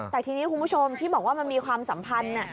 แต่ทีนี้คุณผู้ชมที่บอกว่ามันมีความสัมพันธ์